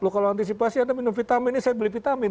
kalau antisipasi anda minum vitamin ini saya beli vitamin